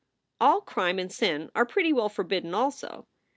All crime and sin are pretty well forbidden, also.